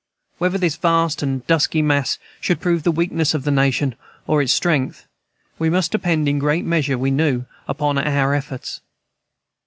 Whether this vast and dusky mass should prove the weakness of the nation or its strength, must depend in great measure, we knew, upon our efforts.